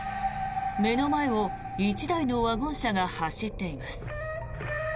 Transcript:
目の前を１台のワゴン車が走っています。